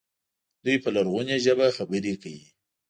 دوی په لرغونې ژبه خبرې کوي.